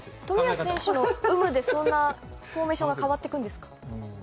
冨安選手の有無でそんなにフォーメーションは変わっていくんですか？